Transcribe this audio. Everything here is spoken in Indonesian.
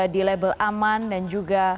di label aman dan juga